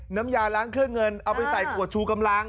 น้ำยาล้างเครื่องเงินเอาไปใส่ขวดชูกำลัง